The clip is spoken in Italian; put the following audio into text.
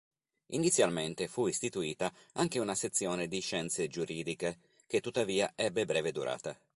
Inizialmente fu istituita anche una sezione di Scienze Giuridiche, che tuttavia ebbe breve durata.